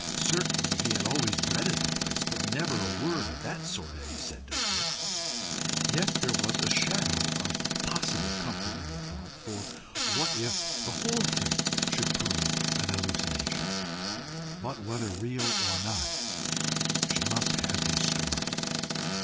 Certainly he had always dreaded the place, but never a word of that sort had he said to her. Yet there was a shadow of possible comfort in the thought for, what if the whole thing should prove an hallucination! But whether real or not, she must have his story.